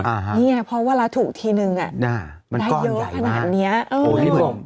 นี่ไงเพราะเวลาถูกทีนึงได้เยอะขนาดนี้